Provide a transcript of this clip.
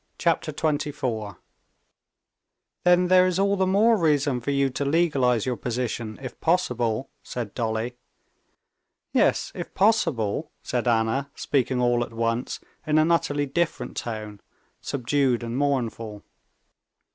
Chapter 24 "Then there is all the more reason for you to legalize your position, if possible," said Dolly. "Yes, if possible," said Anna, speaking all at once in an utterly different tone, subdued and mournful.